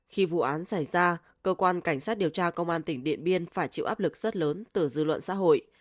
khi vụ án xảy ra cơ quan cảnh sát điều tra công an tỉnh điện biên phải chịu áp lực rất lớn từ dư luận xã hội